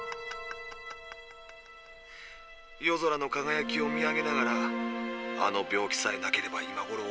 夜空のかがやきを見上げながら「あの病気さえなければ今ごろオレは」。